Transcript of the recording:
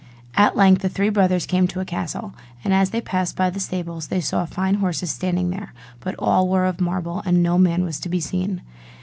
At length the three brothers came to a castle: and as they passed by the stables they saw fine horses standing there, but all were of marble, and no man was to be seen.